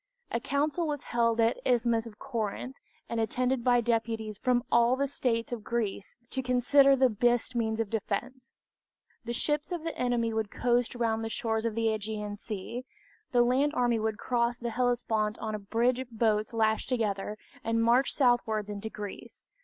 A council was held at the Isthmus of Corinth, and attended by deputies from all the states of Greece to consider of the best means of defense. The ships of the enemy would coast round the shores of the Ćgean Sea, the land army would cross the Hellespont on a bridge of boats lashed together, and march southwards into Greece.